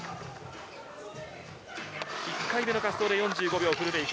１回目の滑走で４５秒フルメイク。